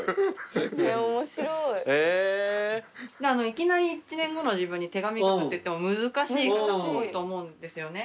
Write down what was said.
いきなり１年後の自分に手紙書くっていっても難しい方も多いと思うんですよね。